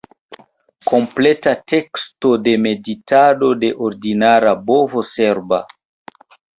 Kompleta teksto de "Meditado de ordinara bovo serba"